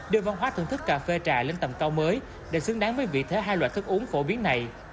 đưa văn hóa thưởng thức cà phê trà lên tầm cao mới để xứng đáng với vị thế hai loại thức uống phổ biến này